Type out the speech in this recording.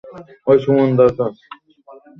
যদি তা না করো, তাহলে তোমাকে বরখাস্ত করবে বলেছেন।